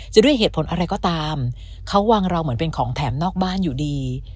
ด้วยเหตุผลอะไรก็ตามเขาวางเราเหมือนเป็นของแถมนอกบ้านอยู่ดี